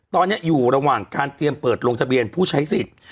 ตอนนี้อยู่ระหว่างการเตรียมเปิดลงทะเบียนผู้ใช้สิทธิ์